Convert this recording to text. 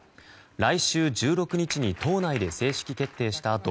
来週１６日に党内で正式決定したあと